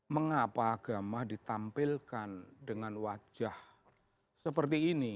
mengapa agama ditampilkan dengan wajah seperti ini